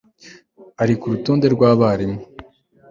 ari ku rutonde rw abarimu